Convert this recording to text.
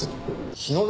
篠崎